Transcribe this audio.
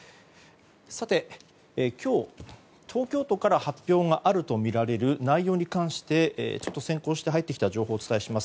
さて今日東京都から発表があるとみられる内容に関して先行して入ってきた情報をお伝えします。